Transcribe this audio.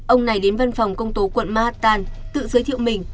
ông này đến văn phòng công tố quận mahatan tự giới thiệu mình